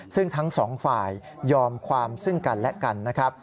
ซึ่งทั้งสองฝ่ายยอมความซึ่งกันและกันนะครับ